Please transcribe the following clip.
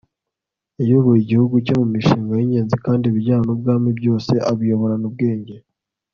yayoboye igihugu cye mu mishinga y'ingenzi kandi ibijyana n'ubwami byose abiyoborana ubwenge